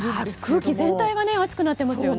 空気全体が熱くなっていますよね。